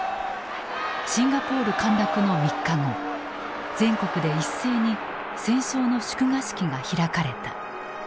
シンガポール陥落の３日後全国で一斉に戦勝の祝賀式が開かれた。